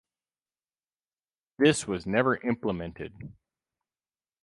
This was never implemented.